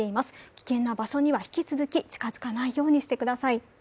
危険な場所には引き続き近付かないようにしてください。